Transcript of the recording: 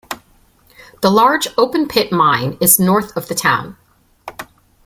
The large open-pit mine is north of the town.